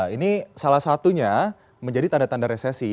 ini salah satunya menjadi tanda tanda resesi